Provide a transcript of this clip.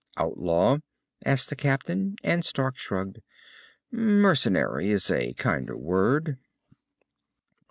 "Outlaw?" asked the captain, and Stark shrugged. "Mercenary is a kinder word."